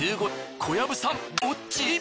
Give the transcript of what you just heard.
小籔さんどっち？